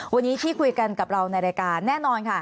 วันนี้ที่คุยกันกับเราในรายการแน่นอนค่ะ